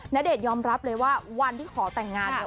ณเดชนยอมรับเลยว่าวันที่ขอแต่งงานเนี่ย